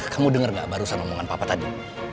kamu denger gak barusan omongan bapak tadi